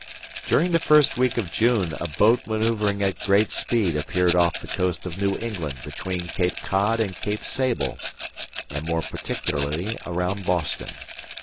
"During the first week of June, a boat maneuvering at great speed appeared off the coast of New England between Cape Cod and Cape Sable, and more particularly around Boston.